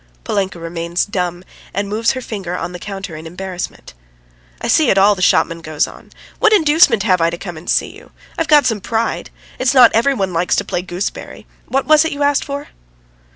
Polinka remains dumb and moves her finger on the counter in embarrassment. "I see it all," the shopman goes on. "What inducement have I to come and see you? I've got some pride. It's not every one likes to play gooseberry. What was it you asked for?"